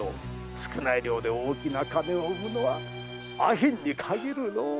少ない量で大きな金を生むのは阿片に限るのう！